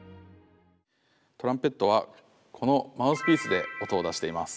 トランペットはこのマウスピースで音を出しています。